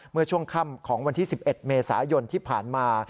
เมื่อช่วงค่ำของวันที่๑๑เมษายนที่ผ่านมา